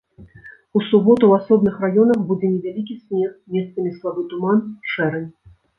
У суботу ў асобных раёнах будзе невялікі снег, месцамі слабы туман, шэрань.